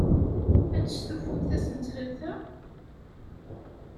Ad testufumt ass n ttlata?